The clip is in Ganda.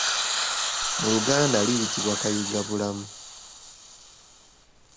Mu Luganda liyitibwa Kayigabulamu.